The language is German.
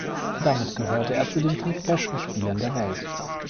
Damit gehörte er zu den fünf besten Spielern der Welt.